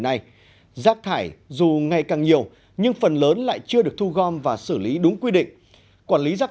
nay rác thải dù ngày càng nhiều nhưng phần lớn lại chưa được thu gom và xử lý đúng quy định quản lý rác